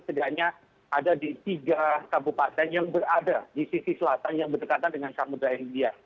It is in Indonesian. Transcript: setidaknya ada di tiga kabupaten yang berada di sisi selatan yang berdekatan dengan samudera india